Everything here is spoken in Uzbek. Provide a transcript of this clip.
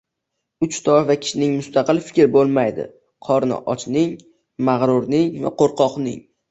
Uch toifa kishining mustaqil fikri bo’lmaydi: qorni ochning, mag’rurning va qo’rqoqning.